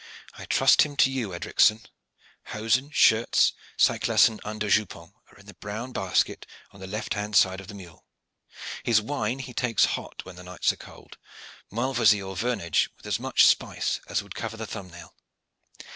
"I trust him to you, Edricson. Hosen, shirts, cyclas, and under jupons are in the brown basket on the left side of the mule. His wine he takes hot when the nights are cold, malvoisie or vernage, with as much spice as would cover the thumb nail.